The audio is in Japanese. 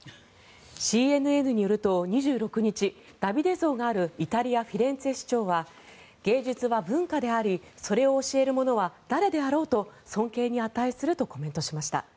ＣＮＮによると２６日ダビデ像があるイタリア・フィレンツェ市長は芸術は文化でありそれを教える者は誰であろうと尊敬に値するとコメントしました。